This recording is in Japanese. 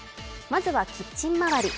まずはキッチン周り。